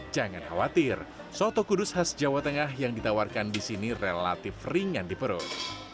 jangan khawatir soto kudus khas jawa tengah yang ditawarkan di sini relatif ringan di perut